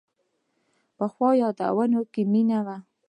پخو یادونو کې مینه وي